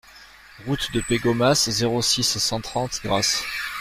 Route de Pégomas, zéro six, cent trente Grasse